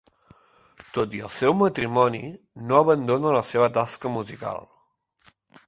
Tot i el seu matrimoni no abandona la seva tasca musical.